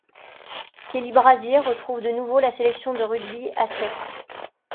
Kelly Brazier retrouve de nouveau la sélection de rugby à sept.